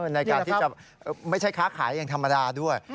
ในการที่จะไม่ใช่ค้าขายอย่างธรรมดาด้วย